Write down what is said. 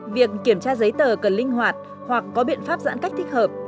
việc kiểm tra giấy tờ cần linh hoạt hoặc có biện pháp giãn cách thích hợp